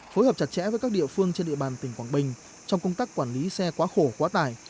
phối hợp chặt chẽ với các địa phương trên địa bàn tỉnh quảng bình trong công tác quản lý xe quá khổ quá tải